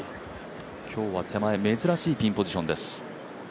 今日は手前、珍しいピンポジションです。